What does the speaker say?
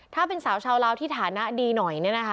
ถ้าเป็นสาวชาวลาวที่ฐานะดีหน่อยเนี่ยนะคะ